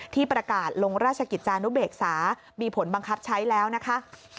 ที่ประกาศลงราชกิจจานุเบกษามีผลบังคับใช้แล้วนะคะ